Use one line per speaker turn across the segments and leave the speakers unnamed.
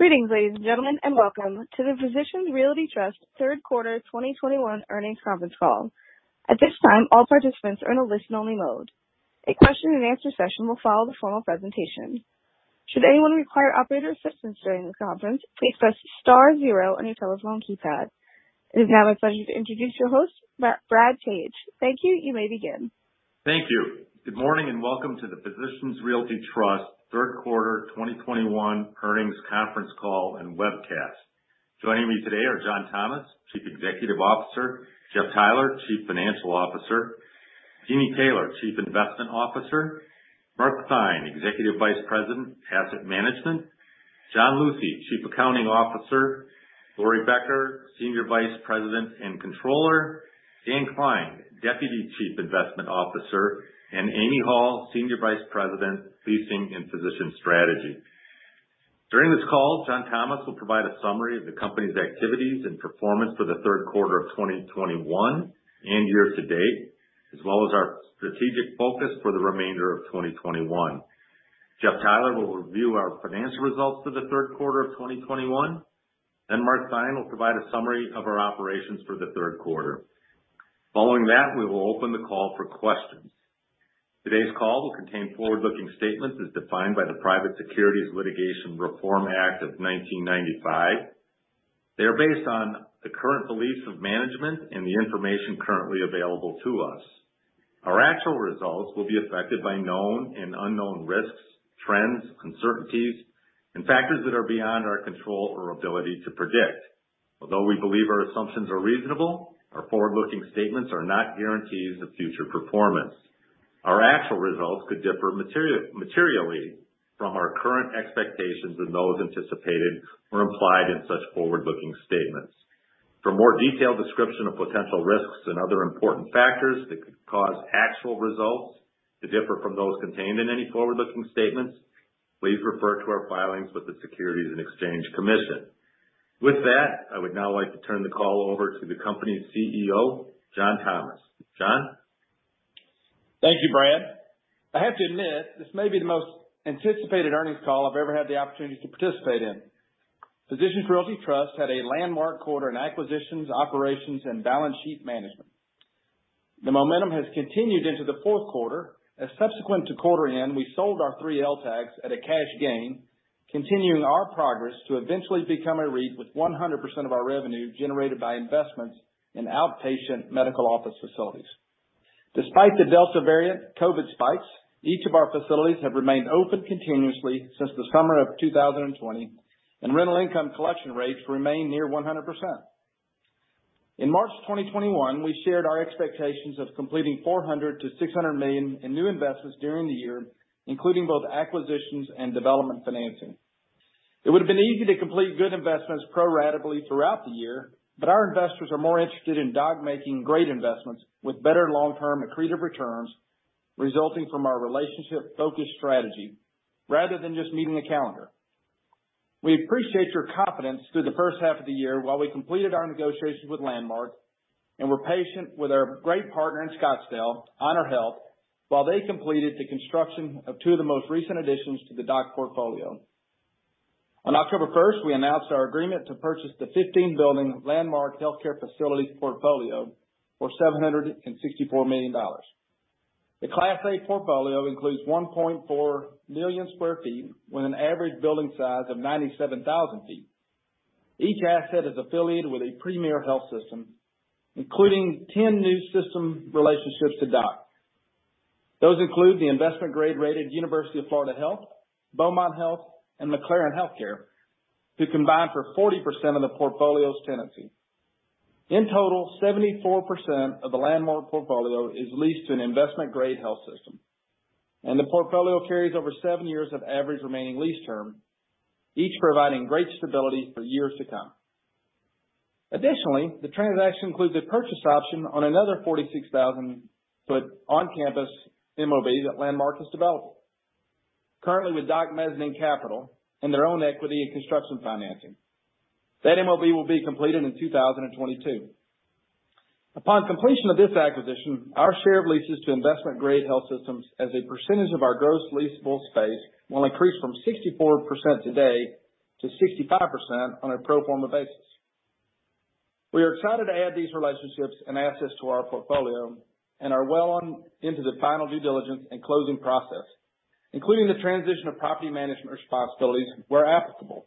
Greetings, ladies and gentlemen, and welcome to the Physicians Realty Trust third quarter 2021 earnings conference call. At this time, all participants are in a listen-only mode. A question-and-answer session will follow the formal presentation. Should anyone require operator assistance during this conference, please press star zero on your telephone keypad. It is now my pleasure to introduce your host, Brad Page. Thank you. You may begin.
Thank you. Good morning and welcome to the Physicians Realty Trust third quarter 2021 earnings conference call and webcast. Joining me today are John Thomas, Chief Executive Officer, Jeff Theiler, Chief Financial Officer, Jeannie Taylor, Chief Investment Officer, Mark Theine, Executive Vice President, Asset Management, John Luthi, Chief Accounting Officer, Lori Becker, Senior Vice President and Controller, Dan Klein, Deputy Chief Investment Officer, and Amy Hall, Senior Vice President, Leasing and Physician Strategy. During this call, John Thomas will provide a summary of the company's activities and performance for the third quarter of 2021 and year to date, as well as our strategic focus for the remainder of 2021. Jeff Theiler will review our financial results for the third quarter of 2021, then Mark Thein will provide a summary of our operations for the third quarter. Following that, we will open the call for questions. Today's call will contain forward-looking statements as defined by the Private Securities Litigation Reform Act of 1995. They are based on the current beliefs of management and the information currently available to us. Our actual results will be affected by known and unknown risks, trends, uncertainties, and factors that are beyond our control or ability to predict. Although we believe our assumptions are reasonable, our forward-looking statements are not guarantees of future performance. Our actual results could differ materially from our current expectations and those anticipated or implied in such forward-looking statements. For more detailed description of potential risks and other important factors that could cause actual results to differ from those contained in any forward-looking statements, please refer to our filings with the Securities and Exchange Commission. With that, I would now like to turn the call over to the company's CEO, John Thomas. John?
Thank you, Brad. I have to admit, this may be the most anticipated earnings call I've ever had the opportunity to participate in. Physicians Realty Trust had a landmark quarter in acquisitions, operations, and balance sheet management. The momentum has continued into the fourth quarter as subsequent to quarter end, we sold our three LTACs at a cash gain, continuing our progress to eventually become a REIT with 100% of our revenue generated by investments in outpatient medical office facilities. Despite the Delta variant, COVID spikes, each of our facilities have remained open continuously since the summer of 2020, and rental income collection rates remain near 100%. In March 2021, we shared our expectations of completing $400 million-$600 million in new investments during the year, including both acquisitions and development financing. It would have been easy to complete good investments proratably throughout the year, but our investors are more interested in DOC making great investments with better long-term accretive returns resulting from our relationship-focused strategy rather than just meeting a calendar. We appreciate your confidence through the first half of the year while we completed our negotiations with Landmark and were patient with our great partner in Scottsdale, HonorHealth, while they completed the construction of two of the most recent additions to the DOC portfolio. On October 1, we announced our agreement to purchase the 15-building Landmark Healthcare Facilities portfolio for $764 million. The Class A portfolio includes 1.4 million sq ft with an average building size of 97,000 sq ft. Each asset is affiliated with a premier health system, including 10 new system relationships to DOC. Those include the investment-grade rated University of Florida Health, Beaumont Health, and McLaren Health Care, who combine for 40% of the portfolio's tenancy. In total, 74% of the Landmark portfolio is leased to an investment-grade health system, and the portfolio carries over seven years of average remaining lease term, each providing great stability for years to come. Additionally, the transaction includes a purchase option on another 46,000 sq ft on-campus MOB that Landmark has developed currently with DOC mezzanine capital and their own equity and construction financing. That MOB will be completed in 2022. Upon completion of this acquisition, our share of leases to investment-grade health systems as a percentage of our gross leasable space will increase from 64% today to 65% on a pro forma basis. We are excited to add these relationships and assets to our portfolio and are well on into the final due diligence and closing process, including the transition of property management responsibilities where applicable.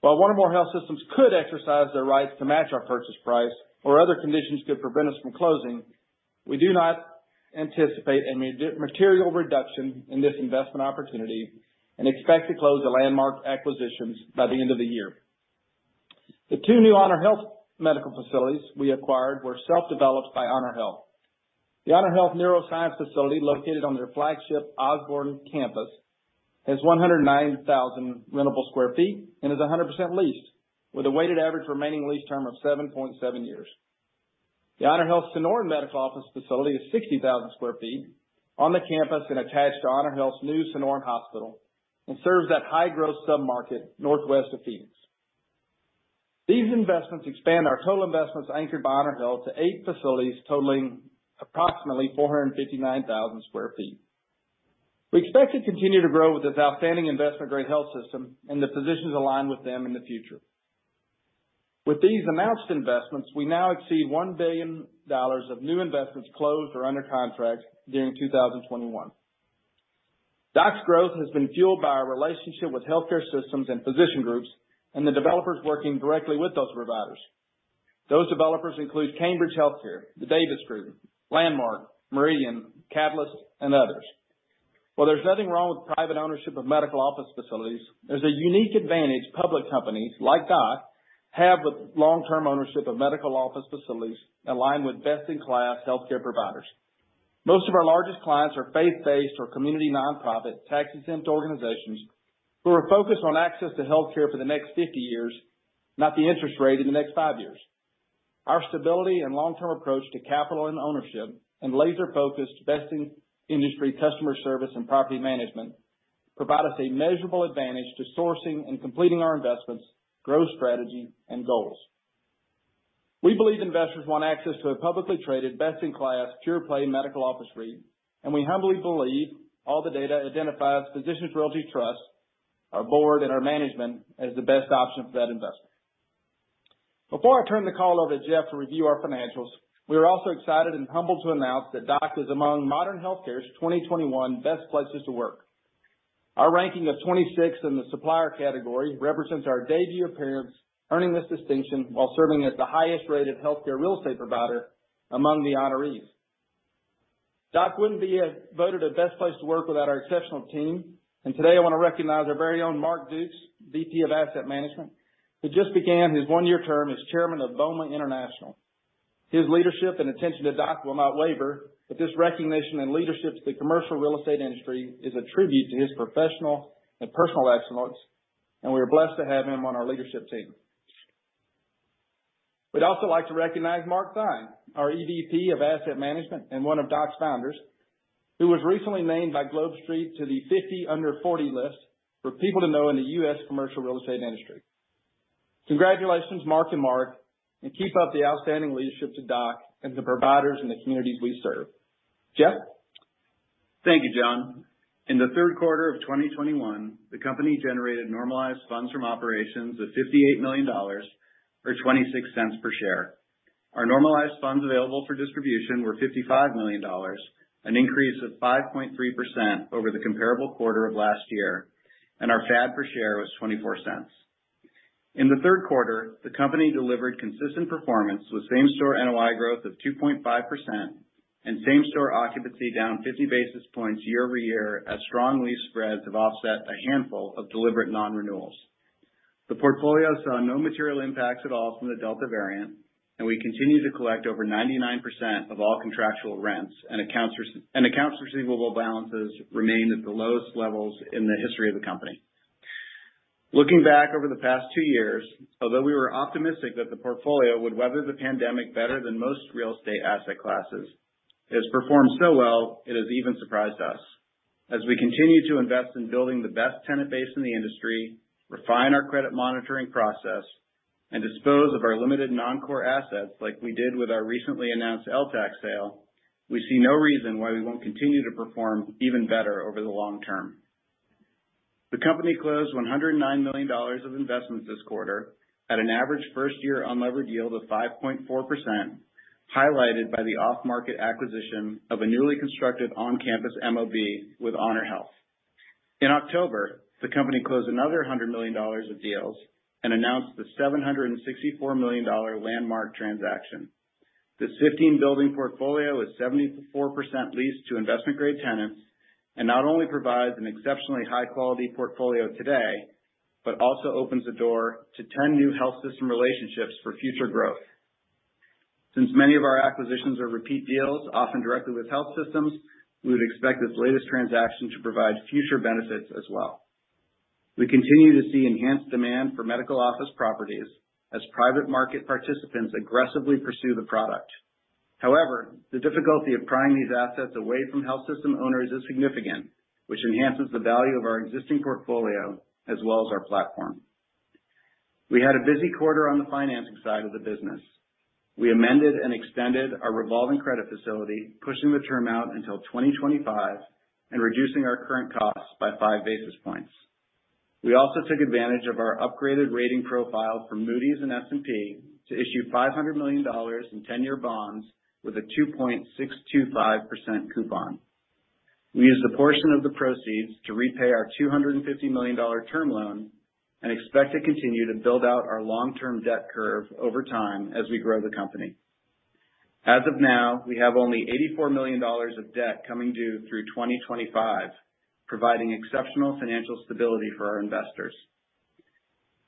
While one or more health systems could exercise their rights to match our purchase price or other conditions could prevent us from closing, we do not anticipate any material reduction in this investment opportunity and expect to close the Landmark acquisitions by the end of the year. The two new HonorHealth medical facilities we acquired were self-developed by HonorHealth. The HonorHealth Neuroscience facility, located on their flagship Osborn campus, has 109,000 rentable sq ft and is 100% leased with a weighted average remaining lease term of 7.7 years. The HonorHealth Sonoran Crossing Medical Office facility is 60,000 sq ft on the campus and attached to HonorHealth's new Sonoran Crossing Medical Center and serves that high-growth sub-market northwest of Phoenix. These investments expand our total investments anchored by HonorHealth to eight facilities totaling approximately 459,000 sq ft. We expect to continue to grow with this outstanding investment-grade health system and the physicians aligned with them in the future. With these announced investments, we now exceed $1 billion of new investments closed or under contract during 2021. DOC's growth has been fueled by our relationship with healthcare systems and physician groups and the developers working directly with those providers. Those developers include Cambridge Holdings, The Davis Group, Landmark, Meridian, Catalyst, and others. While there's nothing wrong with private ownership of medical office facilities, there's a unique advantage public companies like DOC have with long-term ownership of medical office facilities aligned with best-in-class healthcare providers. Most of our largest clients are faith-based or community nonprofit tax-exempt organizations who are focused on access to healthcare for the next 50 years, not the interest rate in the next five years. Our stability and long-term approach to capital and ownership and laser-focused best-in-industry customer service and property management provide us a measurable advantage to sourcing and completing our investments, growth strategy, and goals. We believe investors want access to a publicly traded, best-in-class, pure play medical office REIT, and we humbly believe all the data identifies Physicians Realty Trust, our board, and our management as the best option for that investment. Before I turn the call over to Jeff to review our financials, we are also excited and humbled to announce that DOC is among Modern Healthcare's 2021 Best Places to Work. Our ranking of 26 in the supplier category represents our debut appearance, earning this distinction while serving as the highest rated healthcare real estate provider among the honorees. DOC wouldn't be voted a Best Place to Work without our exceptional team, and today I want to recognize our very own Mark Dukes, VP of Asset Management, who just began his one-year term as Chairman of BOMA International. His leadership and attention to DOC will not waver, but this recognition and leadership to the commercial real estate industry is a tribute to his professional and personal excellence, and we are blessed to have him on our leadership team. We'd also like to recognize Mark Theine, our EVP of Asset Management and one of DOC's founders, who was recently named by GlobeSt to the 50 Under 40 list for people to know in the U.S. commercial real estate industry. Congratulations, Mark and Mark, and keep up the outstanding leadership to DOC and to the providers in the communities we serve. Jeff?
Thank you, John. In the third quarter of 2021, the company generated normalized funds from operations of $58 million, or $0.26 Cents per share. Our normalized funds available for distribution were $55 million, an increase of 5.3% over the comparable quarter of last year, and our FAD per share was $0.24. In the third quarter, the company delivered consistent performance with same-store NOI growth of 2.5% and same-store occupancy down 50 basis points year-over-year as strong lease spreads have offset a handful of deliberate non-renewals. The portfolio saw no material impacts at all from the Delta variant, and we continue to collect over 99% of all contractual rents, and accounts receivable balances remain at the lowest levels in the history of the company. Looking back over the past two years, although we were optimistic that the portfolio would weather the pandemic better than most real estate asset classes, it has performed so well it has even surprised us. As we continue to invest in building the best tenant base in the industry, refine our credit monitoring process, and dispose of our limited non-core assets like we did with our recently announced LTAC sale, we see no reason why we won't continue to perform even better over the long term. The company closed $109 million of investments this quarter at an average first-year unlevered yield of 5.4%, highlighted by the off-market acquisition of a newly constructed on-campus MOB with HonorHealth. In October, the company closed another $100 million of deals and announced the $764 million Landmark transaction. This 15-building portfolio is 74% leased to investment-grade tenants, and not only provides an exceptionally high quality portfolio today, but also opens the door to 10 new health system relationships for future growth. Since many of our acquisitions are repeat deals, often directly with health systems, we would expect this latest transaction to provide future benefits as well. We continue to see enhanced demand for medical office properties as private market participants aggressively pursue the product. However, the difficulty of prying these assets away from health system owners is significant, which enhances the value of our existing portfolio as well as our platform. We had a busy quarter on the financing side of the business. We amended and extended our revolving credit facility, pushing the term out until 2025 and reducing our current costs by 5 basis points. We also took advantage of our upgraded rating profile from Moody's and S&P to issue $500 million in 10-year bonds with a 2.625% coupon. We used a portion of the proceeds to repay our $250 million term loan and expect to continue to build out our long-term debt curve over time as we grow the company. As of now, we have only $84 million of debt coming due through 2025, providing exceptional financial stability for our investors.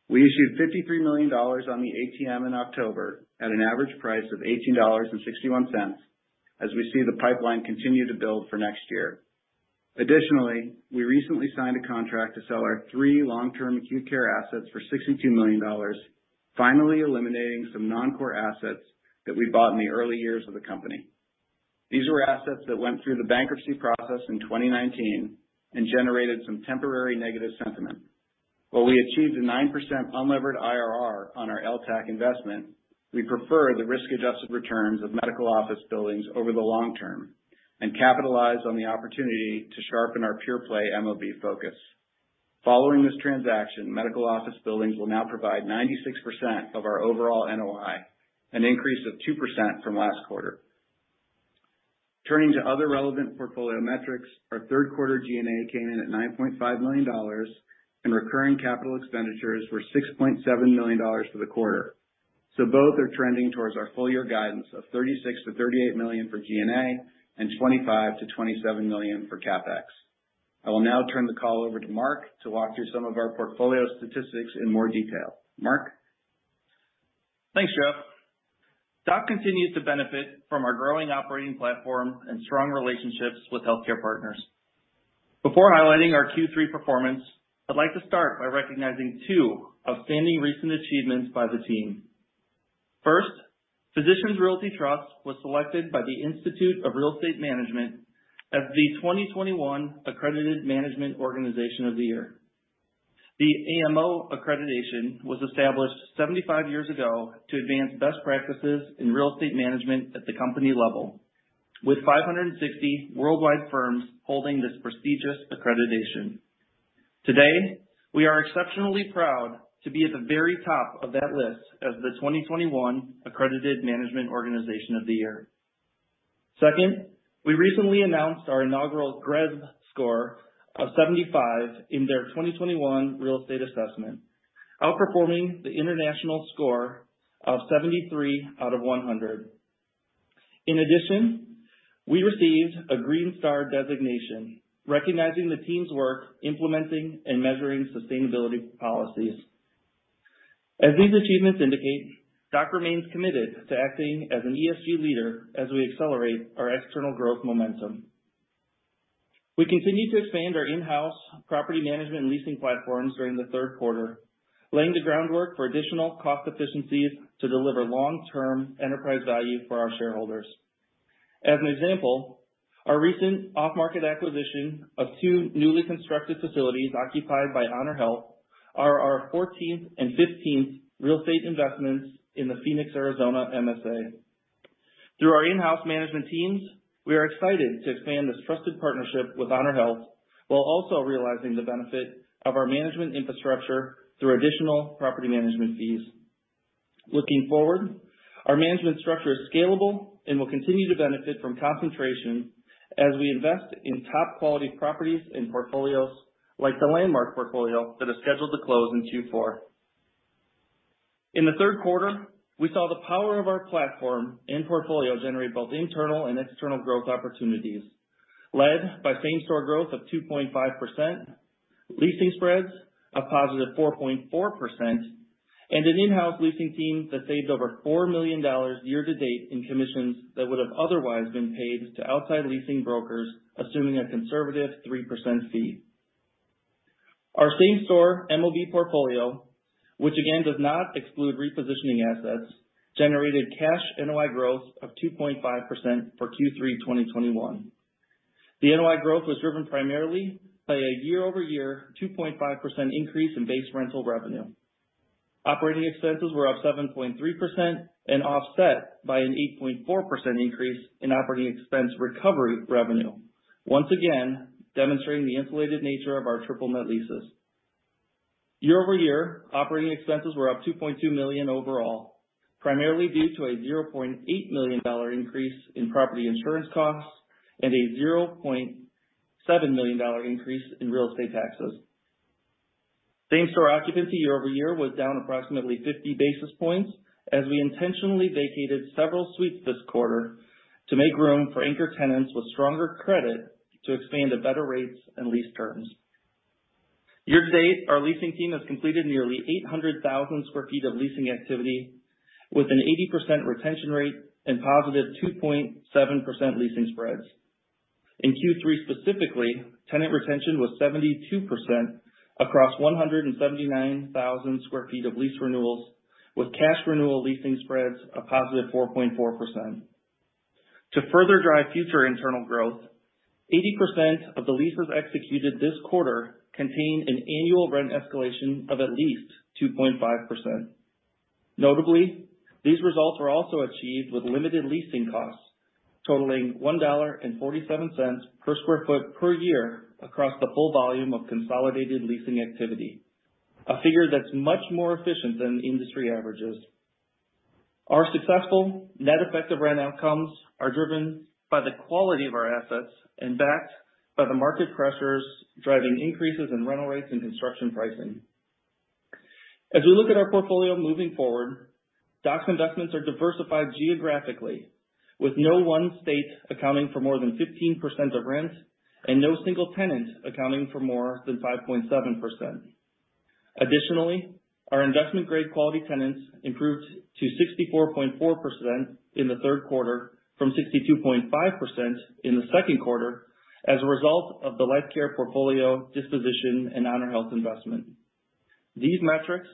We issued $53 million on the ATM in October at an average price of $18.61 as we see the pipeline continue to build for next year. Additionally, we recently signed a contract to sell our three long-term acute care assets for $62 million, finally eliminating some non-core assets that we bought in the early years of the company. These were assets that went through the bankruptcy process in 2019 and generated some temporary negative sentiment. While we achieved a 9% unlevered IRR on our LTAC investment, we prefer the risk-adjusted returns of medical office buildings over the long term and capitalize on the opportunity to sharpen our pure play MOB focus. Following this transaction, medical office buildings will now provide 96% of our overall NOI, an increase of 2% from last quarter. Turning to other relevant portfolio metrics, our third quarter G&A came in at $9.5 million, and recurring capital expenditures were $6.7 million for the quarter. Both are trending towards our full year guidance of $36 million-$38 million for G&A and $25 million-$27 million for CapEx. I will now turn the call over to Mark to walk through some of our portfolio statistics in more detail. Mark?
Thanks, Jeff. DOC continues to benefit from our growing operating platform and strong relationships with healthcare partners. Before highlighting our Q3 performance, I'd like to start by recognizing two outstanding recent achievements by the team. First, Physicians Realty Trust was selected by the Institute of Real Estate Management as the 2021 Accredited Management Organization of the Year. The AMO accreditation was established 75 years ago to advance best practices in real estate management at the company level, with 560 worldwide firms holding this prestigious accreditation. Today, we are exceptionally proud to be at the very top of that list as the 2021 Accredited Management Organization of the Year. Second, we recently announced our inaugural GRESB score of 75 in their 2021 real estate assessment, outperforming the international score of 73 out of 100. In addition, we received a Green Star designation recognizing the team's work implementing and measuring sustainability policies. As these achievements indicate, DOC remains committed to acting as an ESG leader as we accelerate our external growth momentum. We continue to expand our in-house property management leasing platforms during the third quarter, laying the groundwork for additional cost efficiencies to deliver long-term enterprise value for our shareholders. As an example, our recent off-market acquisition of two newly constructed facilities occupied by HonorHealth are our fourteenth and fifteenth real estate investments in the Phoenix, Arizona, MSA. Through our in-house management teams, we are excited to expand this trusted partnership with HonorHealth, while also realizing the benefit of our management infrastructure through additional property management fees. Looking forward, our management structure is scalable and will continue to benefit from concentration as we invest in top-quality properties and portfolios like the Landmark portfolio that is scheduled to close in Q4. In the third quarter, we saw the power of our platform and portfolio generate both internal and external growth opportunities, led by same-store growth of 2.5%, leasing spreads of +4.4%, and an in-house leasing team that saved over $4 million year-to-date in commissions that would have otherwise been paid to outside leasing brokers, assuming a conservative 3% fee. Our same-store MOB portfolio, which again does not exclude repositioning assets, generated cash NOI growth of 2.5% for Q3 2021. The NOI growth was driven primarily by a year-over-year 2.5% increase in base rental revenue. Operating expenses were up 7.3% and offset by an 8.4% increase in operating expense recovery revenue, once again demonstrating the insulated nature of our triple net leases. Year-over-year operating expenses were up $2.2 million overall, primarily due to a $0.8 million increase in property insurance costs and a $0.7 million increase in real estate taxes. Same-store occupancy year-over-year was down approximately 50 basis points as we intentionally vacated several suites this quarter to make room for anchor tenants with stronger credit to expand to better rates and lease terms. Year-to-date, our leasing team has completed nearly 800,000 sq ft of leasing activity with an 80% retention rate and positive 2.7% leasing spreads. In Q3 specifically, tenant retention was 72% across 179,000 sq ft of lease renewals, with cash renewal leasing spreads of +4.4%. To further drive future internal growth, 80% of the leases executed this quarter contained an annual rent escalation of at least 2.5%. Notably, these results were also achieved with limited leasing costs totaling $1.47 per sq ft per year across the whole volume of consolidated leasing activity, a figure that's much more efficient than industry averages. Our successful net effective rent outcomes are driven by the quality of our assets and backed by the market pressures driving increases in rental rates and construction pricing. As we look at our portfolio moving forward, DOC's investments are diversified geographically, with no one state accounting for more than 15% of rent and no single tenant accounting for more than 5.7%. Additionally, our investment-grade quality tenants improved to 64.4% in the third quarter from 62.5% in the second quarter as a result of the LifeCare portfolio disposition and HonorHealth investment. These metrics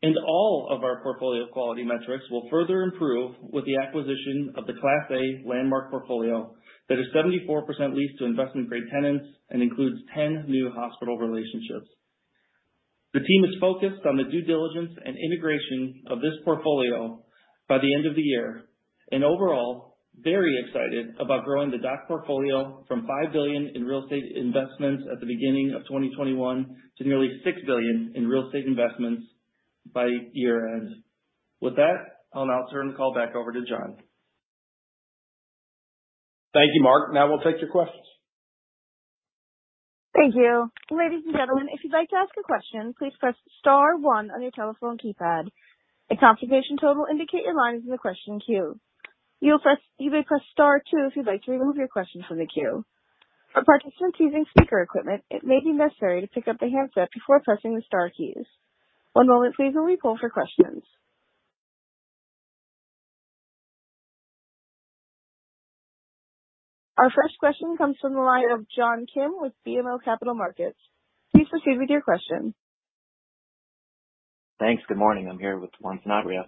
and all of our portfolio quality metrics will further improve with the acquisition of the Class A Landmark portfolio that is 74% leased to investment-grade tenants and includes 10 new hospital relationships. The team is focused on the due diligence and integration of this portfolio by the end of the year, and overall, very excited about growing the DOC portfolio from $5 billion in real estate investments at the beginning of 2021 to nearly $6 billion in real estate investments by year-end. With that, I'll now turn the call back over to John.
Thank you, Mark. Now we'll take your questions.
Thank you. Ladies and gentlemen, if you'd like to ask a question, please press star one on your telephone keypad. A confirmation tone will indicate your line is in the question queue. You may press star two if you'd like to remove your question from the queue. For participants using speaker equipment, it may be necessary to pick up the handset before pressing the star keys. One moment please while we poll for questions. Our first question comes from the line of John Kim with BMO Capital Markets. Please proceed with your question.
Thanks. Good morning. I'm here with Juan Sanabria.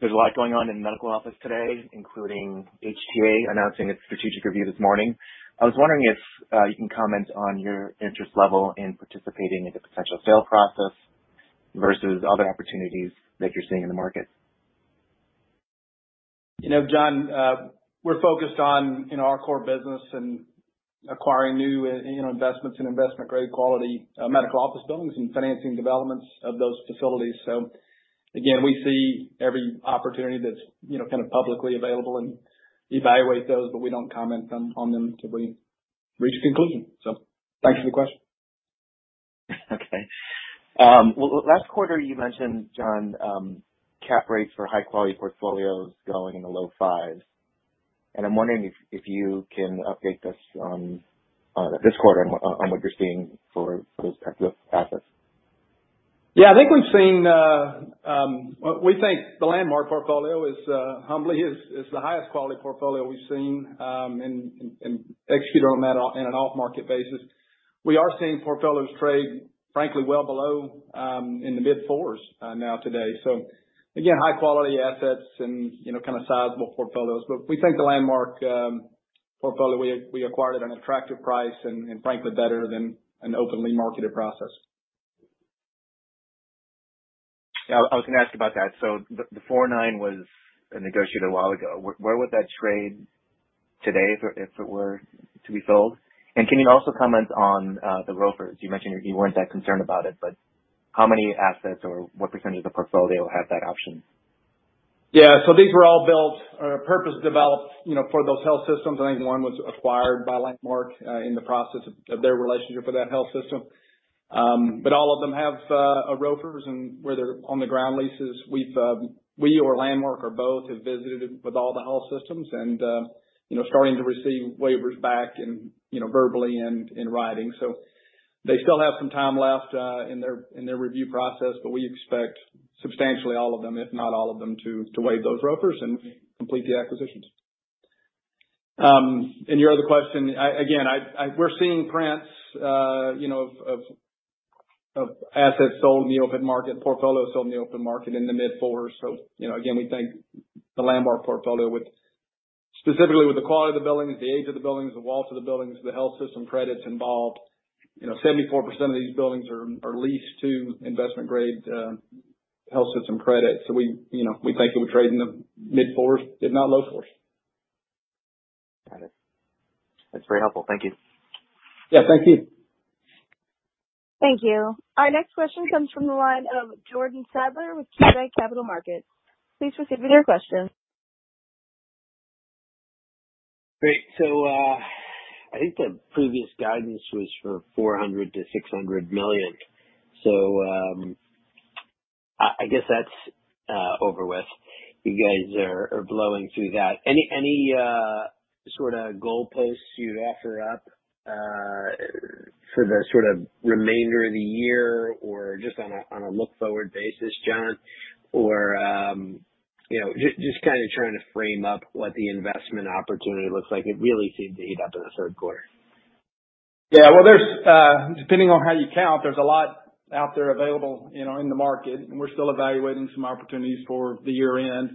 There's a lot going on in medical office today, including HTA announcing its strategic review this morning. I was wondering if you can comment on your interest level in participating in the potential sale process versus other opportunities that you're seeing in the market.
You know, John, we're focused on, you know, our core business and acquiring new, you know, investments and investment grade quality medical office buildings and financing developments of those facilities. Again, we see every opportunity that's, you know, kind of publicly available and evaluate those, but we don't comment on them till we reach a conclusion. Thank you for the question.
Okay. Well, last quarter you mentioned, John, cap rates for high quality portfolios going in the low fives. I'm wondering if you can update us on this quarter on what you're seeing for those types of assets.
Yeah. I think we've seen. We think the Landmark portfolio is the highest quality portfolio we've seen in executing on that in an off-market basis. We are seeing portfolios trade, frankly, well below in the mid-fours now today. Again, high quality assets and, you know, kind of sizable portfolios. We think the Landmark portfolio we acquired at an attractive price and frankly better than an openly marketed process.
Yeah, I was gonna ask about that. The 4.9 was negotiated a while ago. Where would that trade today if it were to be sold? Can you also comment on the ROFRs? You mentioned you weren't that concerned about it, but how many assets or what percentage of the portfolio have that option?
Yeah. These were all built or purpose developed, you know, for those health systems. I think one was acquired by Landmark in the process of their relationship with that health system. All of them have ROFRs and where they're on the ground leases. We or Landmark or both have visited with all the health systems and, you know, starting to receive waivers back and, you know, verbally and in writing. They still have some time left in their review process, but we expect substantially all of them, if not all of them, to waive those ROFRs and complete the acquisitions. Your other question. We're seeing rents, you know, of assets sold in the open market, portfolios sold in the open market in the mid-fours. You know, again, we think the Landmark portfolio with, specifically with the quality of the buildings, the age of the buildings, the walls of the buildings, the health system credits involved. You know, 74% of these buildings are leased to investment grade health system credits. We, you know, we think it would trade in the mid-4s, if not low 4s.
Got it. That's very helpful. Thank you.
Yeah, thank you.
Thank you. Our next question comes from the line of Jordan Sadler with KeyBanc Capital Markets. Please proceed with your question.
Great. I think the previous guidance was for $400 million-$600 million. I guess that's over with. You guys are blowing through that. Any sort of goalposts you'd offer up for the sort of remainder of the year or just on a look-forward basis, John? Or you know just kind of trying to frame up what the investment opportunity looks like. It really seemed to heat up in the third quarter.
Yeah. Well, there's, depending on how you count, there's a lot out there available, you know, in the market, and we're still evaluating some opportunities for the year end.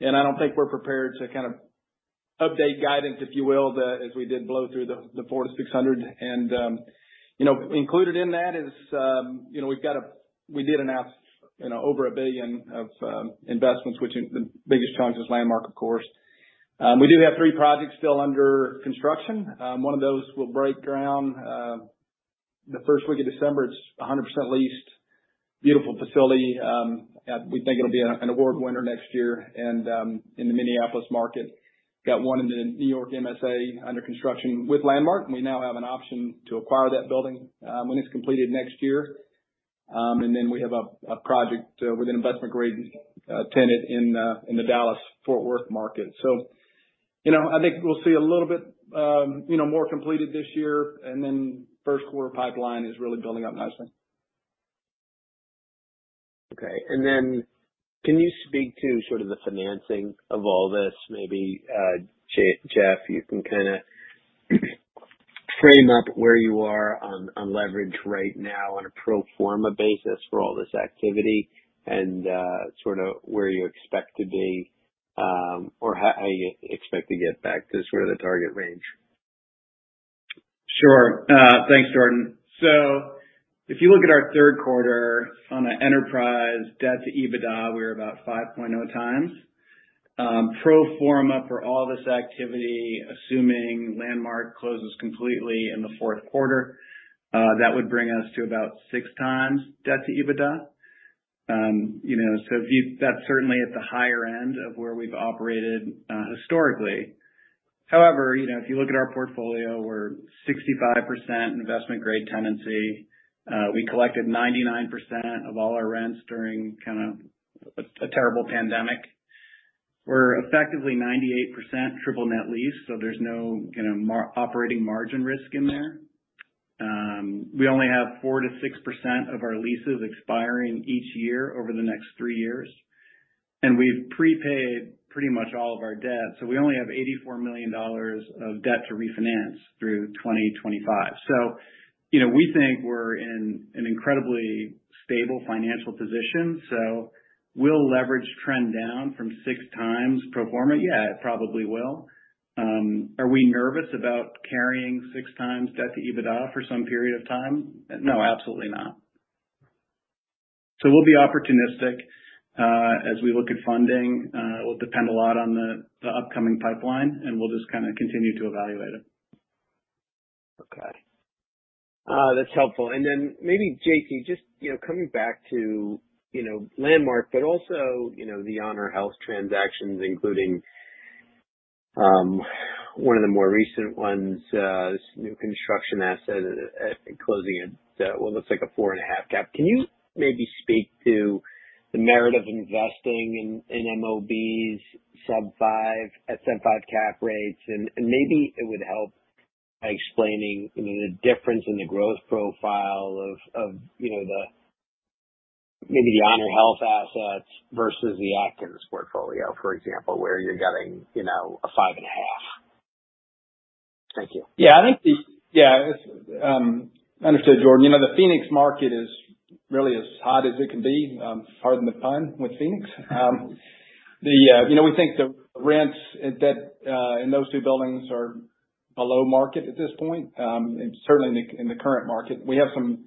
I don't think we're prepared to kind of update guidance, if you will, as we did blow through the $400 million-$600 million. You know, included in that is, you know, we did announce, you know, over $1 billion of investments, which in the biggest chunk is Landmark, of course. We do have three projects still under construction. One of those will break ground the first week of December. It's 100% leased. Beautiful facility. We think it'll be an award winner next year and in the Minneapolis market. Got one in the New York MSA under construction with Landmark, and we now have an option to acquire that building when it's completed next year. Then we have a project with an investment-grade tenant in the Dallas-Fort Worth market. You know, I think we'll see a little bit, you know, more completed this year, and then first quarter pipeline is really building up nicely.
Okay. Can you speak to sort of the financing of all this? Maybe, Jeff, you can kind of frame up where you are on leverage right now on a pro forma basis for all this activity and sort of where you expect to be, or how you expect to get back to sort of the target range.
Sure. Thanks, Jordan. So if you look at our third quarter on an enterprise debt to EBITDA, we were about 5.0 times. Pro forma for all this activity, assuming Landmark closes completely in the fourth quarter, that would bring us to about 6x debt to EBITDA. You know, so that's certainly at the higher end of where we've operated, historically. However, you know, if you look at our portfolio, we're 65% investment-grade tenancy. We collected 99% of all our rents during kind of a terrible pandemic. We're effectively 98% triple net lease, so there's no, you know, major operating margin risk in there. We only have 4%-6% of our leases expiring each year over the next three years, and we've prepaid pretty much all of our debt, so we only have $84 million of debt to refinance through 2025. You know, we think we're in an incredibly stable financial position. Will leverage trend down from 6x pro forma? Yeah, it probably will. Are we nervous about carrying 6x debt to EBITDA for some period of time? No, absolutely not. We'll be opportunistic as we look at funding. It will depend a lot on the upcoming pipeline, and we'll just kind of continue to evaluate it.
Okay. That's helpful. Maybe, JC, just you know coming back to you know Landmark, but also you know the HonorHealth transactions, including one of the more recent ones, this new construction asset at the Scottsdale end that looks like a 4.5 cap. Can you maybe speak to the merit of investing in MOBs sub-5.75 cap rates? Maybe it would help explaining you know the difference in the growth profile of the HonorHealth assets versus the Atkins portfolio, for example, where you're getting you know a 5.5. Thank you.
Understood, Jordan. You know, the Phoenix market is really as hot as it can be, pardon the pun, with Phoenix. You know, we think the rents at that in those two buildings are below market at this point, and certainly in the current market. We have some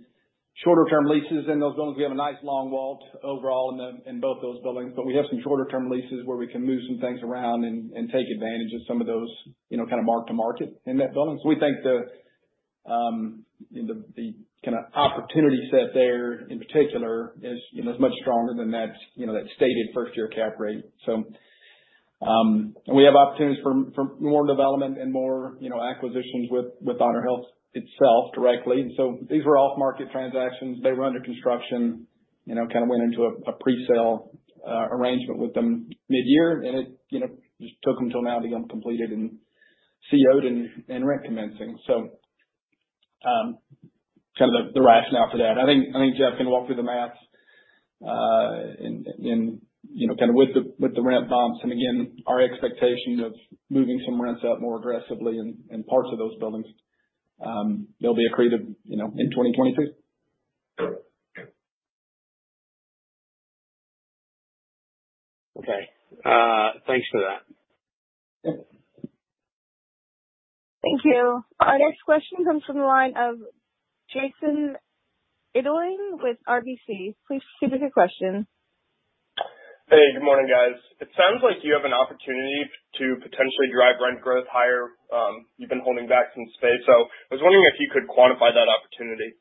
shorter term leases in those buildings. We have a nice long WAL overall in both those buildings, but we have some shorter term leases where we can move some things around and take advantage of some of those, you know, kind of mark to market in that building. We think the kind of opportunity set there in particular is much stronger than that stated first-year cap rate. We have opportunities for more development and more, you know, acquisitions with HonorHealth itself directly. These were off-market transactions. They were under construction, you know, kind of went into a pre-sale arrangement with them midyear and it, you know, just took until now to get them completed and CO'd and rent commencing. Kind of the rationale for that. I think Jeff can walk through the math in, you know, kind of with the rent bumps, and again, our expectation of moving some rents out more aggressively in parts of those buildings, they'll be accretive, you know, in 2022.
Okay. Thanks for that.
Yeah.
Thank you. Our next question comes from the line of Jason Idoine with RBC. Please proceed with your question.
Hey, good morning, guys. It sounds like you have an opportunity to potentially drive rent growth higher. You've been holding back some space. I was wondering if you could quantify that opportunity.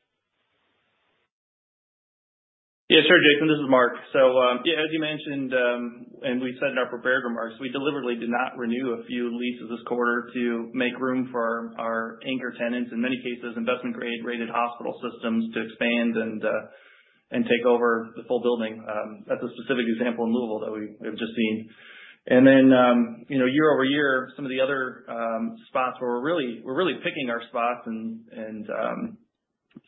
Yeah, sure, Jason, this is Mark. Yeah, as you mentioned, and we said in our prepared remarks, we deliberately did not renew a few leases this quarter to make room for our anchor tenants, in many cases, investment-grade rated hospital systems to expand and take over the full building. That's a specific example in Louisville that we've just seen. You know, year-over-year, some of the other spots where we're really picking our spots and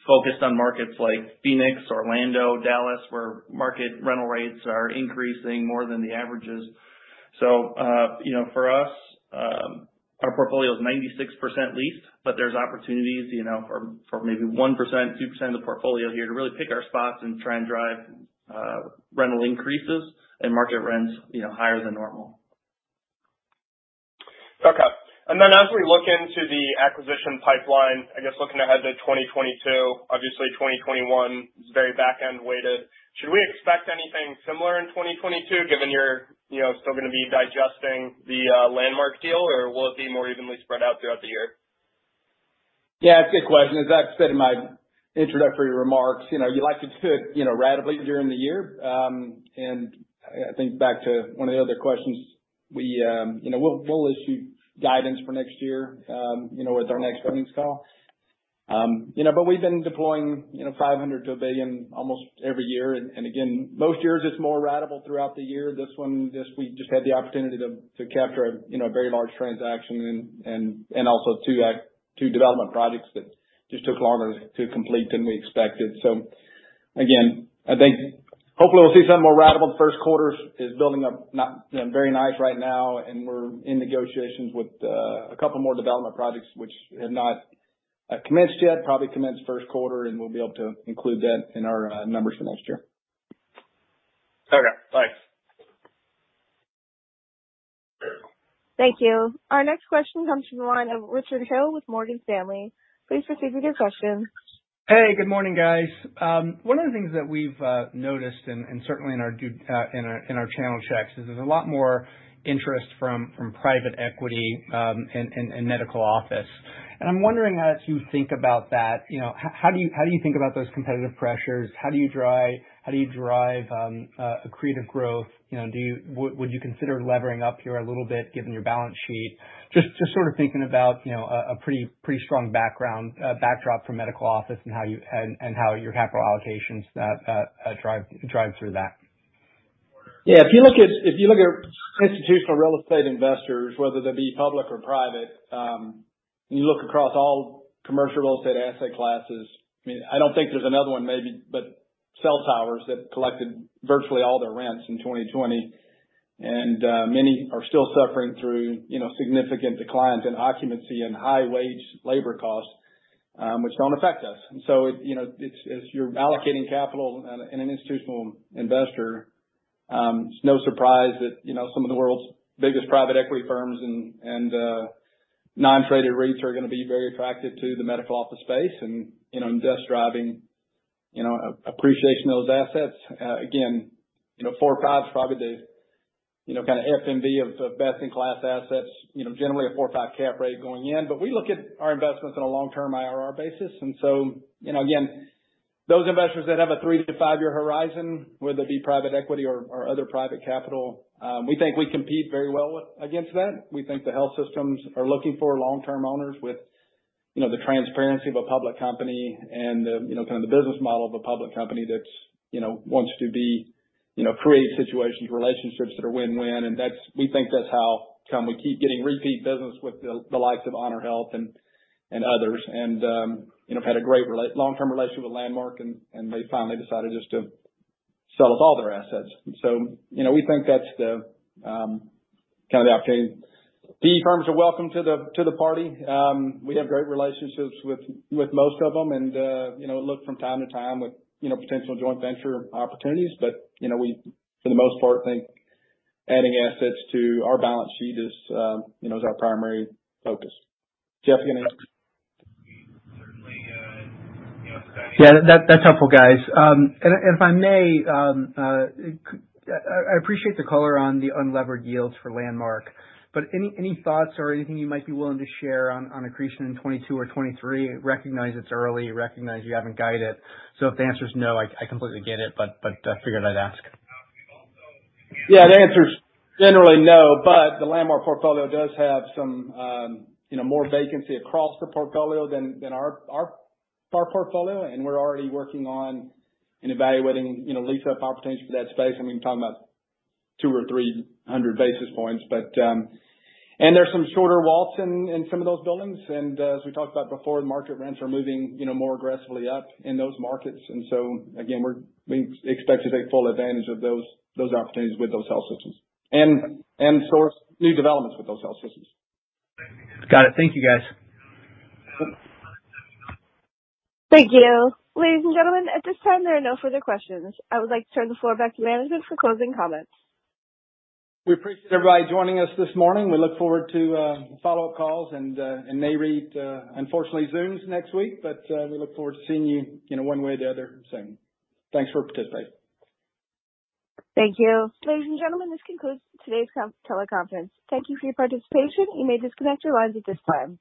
focused on markets like Phoenix, Orlando, Dallas, where market rental rates are increasing more than the averages. You know, for us, our portfolio is 96% leased, but there's opportunities, you know, for maybe 1%, 2% of the portfolio here to really pick our spots and try and drive rental increases and market rents, you know, higher than normal.
Okay. As we look into the acquisition pipeline, I guess looking ahead to 2022, obviously 2021 is very back-end weighted. Should we expect anything similar in 2022, given you're, you know, still gonna be digesting the Landmark deal? Or will it be more evenly spread out throughout the year?
Yeah, it's a good question. As I said in my introductory remarks, you know, you like to do it, you know, ratably during the year. I think back to one of the other questions, you know, we'll issue guidance for next year, you know, with our next earnings call. We've been deploying, you know, $500 million-$1 billion almost every year. Again, most years it's more ratable throughout the year. This one just, we just had the opportunity to capture a, you know, a very large transaction and also two development projects that just took longer to complete than we expected. I think hopefully we'll see something more ratable. The first quarter is building up, you know, very nicely right now, and we're in negotiations with a couple more development projects which have not commenced yet. They will probably commence in the first quarter, and we'll be able to include that in our numbers for next year. Okay, thanks.
Thank you. Our next question comes from the line of Richard Hill with Morgan Stanley. Please proceed with your question.
Hey, good morning, guys. One of the things that we've noticed and certainly in our due diligence channel checks is there's a lot more interest from private equity in medical office. I'm wondering as you think about that, you know, how do you think about those competitive pressures? How do you drive accretive growth? You know, would you consider levering up here a little bit given your balance sheet? Just sort of thinking about, you know, a pretty strong backdrop for medical office and how your capital allocations drive through that.
Yeah, if you look at institutional real estate investors, whether they be public or private, and you look across all commercial real estate asset classes, I mean, I don't think there's another one maybe, but cell towers that collected virtually all their rents in 2020 and many are still suffering through, you know, significant declines in occupancy and high wage labor costs, which don't affect us. It, you know, it's as you're allocating capital in an institutional investor, it's no surprise that, you know, some of the world's biggest private equity firms and non-traded REITs are gonna be very attractive to the medical office space and, you know, and thus driving, you know, appreciation of those assets. Again, you know, 4, 5's probably the, you know, kind of FMV of best in class assets, you know, generally a 4 or 5 cap rate going in. We look at our investments on a long-term IRR basis. You know, again, those investors that have a three to five-year horizon, whether it be private equity or other private capital, we think we compete very well against that. We think the health systems are looking for long-term owners with, you know, the transparency of a public company and the, you know, kind of the business model of a public company that's, you know, wants to be, you know, create situations, relationships that are win-win. We think that's how come we keep getting repeat business with the likes of HonorHealth and others. you know, we've had a great long-term relationship with Landmark, and they finally decided just to sell us all their assets. you know, we think that's the kind of the opportunity. PE firms are welcome to the party. we have great relationships with most of them and, you know, look from time to time with, you know, potential joint venture opportunities. you know, we for the most part think adding assets to our balance sheet is our primary focus. Jeff, you gonna ask
Yeah. That's helpful, guys. If I may, I appreciate the color on the unlevered yields for Landmark, but any thoughts or anything you might be willing to share on accretion in 2022 or 2023? I recognize it's early, I recognize you haven't guided, so if the answer's no, I completely get it, but figured I'd ask.
Yeah. The answer is generally no, but the Landmark portfolio does have some more vacancy across the portfolio than our portfolio. We're already working on and evaluating you know lease-up opportunities for that space. I mean, we're talking about 200 or 300 basis points. There's some shorter leases in some of those buildings. As we talked about before, market rents are moving you know more aggressively up in those markets. We expect to take full advantage of those opportunities with those health systems and source new developments with those health systems.
Got it. Thank you, guys.
Sure.
Thank you. Ladies and gentlemen, at this time, there are no further questions. I would like to turn the floor back to management for closing comments.
We appreciate everybody joining us this morning. We look forward to follow-up calls and and Nareit, unfortunately Zooms next week, but we look forward to seeing you know, one way or the other soon. Thanks for participating.
Thank you. Ladies and gentlemen, this concludes today's conference call. Thank you for your participation. You may disconnect your lines at this time.